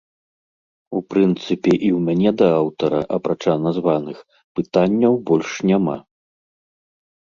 У прынцыпе і ў мяне да аўтара, апрача названых, пытанняў больш няма.